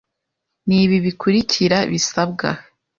ni ibi bikurikira bisabwa